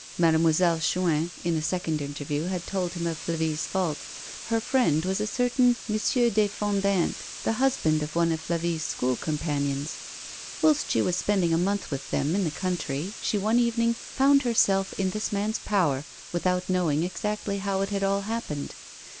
Mademoiselle Chuin, in a second interview, had told him of Flavie's fault. Her friend was a certain Monsieur des Fondettes, the husband of one of Flavie's school companions. Whilst she was spending a month with them in the country, she one evening found herself in this man's power without knowing exactly how it had all happened.